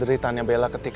itu rencananya bisa berhasil